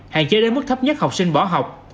hạn chế đến mức thấp nhất học sinh bỏ học